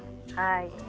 はい。